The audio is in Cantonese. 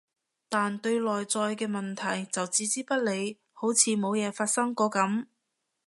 但對內在嘅問題就置之不理，好似冇嘢發生過噉